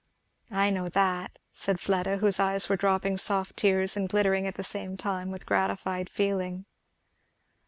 "I know that," said Fleda, whose eyes were dropping soft tears and glittering at the same time with gratified feeling.